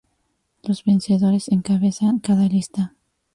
Los vencedores encabezan cada lista.